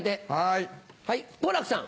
はい好楽さん。